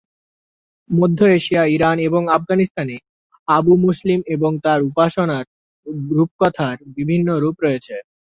মধ্য Asia, Iran এবং আফগানিস্তানে আবু মুসলিম এবং তাঁর উপাসনার রূপকথার বিভিন্ন রূপ রয়েছে।